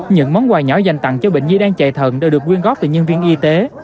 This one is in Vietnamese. những món quà nhỏ dành tặng cho bệnh nhi đang chạy thận đều được quyên góp từ nhân viên y tế